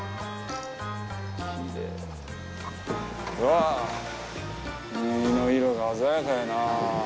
うわあ、海の色が鮮やかやな。